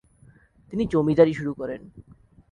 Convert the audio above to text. তিনি জমিদারী শুরু করেন।